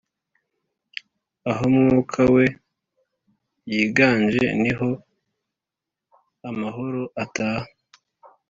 Aho Mwuka we yiganje, niho amahoro ataha.